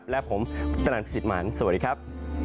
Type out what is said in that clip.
และผมตนันพิสิทธิ์มารสวัสดีครับ